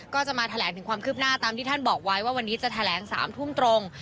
ก็จะมาแถลงถึงความคืบหน้าตามที่ท่านบอกไว้ว่าวันนี้จะแถลง๓ทุ่มตรง